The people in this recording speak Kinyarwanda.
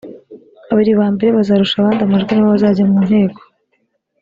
babiri ba mbere bazarusha abandi amajwi ni bo bazajya mu nteko